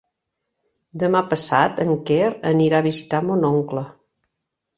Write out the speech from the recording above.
Demà passat en Quer anirà a visitar mon oncle.